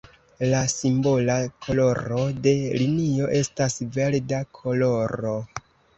La simbola koloro de linio estas verda koloro.